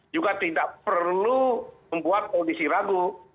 juga tidak perlu membuat polisi ragu